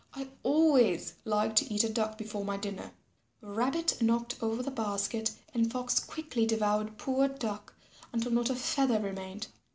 I always like to eat a Duck before my dinner." Rabbit knocked over the basket and Fox quickly devoured poor Duck until not a feather remained.